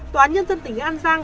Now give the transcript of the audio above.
tòa nhân dân tỉnh an giang